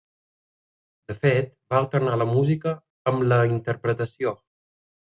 De fet, va alternar la música amb la interpretació.